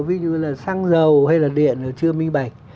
ví dụ như là xăng dầu hay là điện nó chưa minh bạch